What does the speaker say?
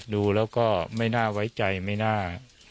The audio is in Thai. ดูแล้วก็ไม่น่าไว้ใจไม่น่า